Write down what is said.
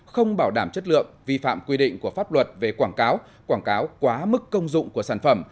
không bảo đảm chất lượng vi phạm quy định của pháp luật về quảng cáo quảng cáo quá mức công dụng của sản phẩm